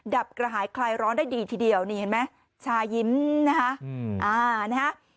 ดับกระหายคลายร้อนได้ดีทีเดียวนี่เห็นไหมชายิ้มนะฮะ